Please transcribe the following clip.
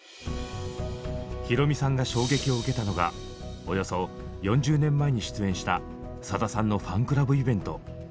宏美さんが衝撃を受けたのがおよそ４０年前に出演したさださんのファンクラブイベント。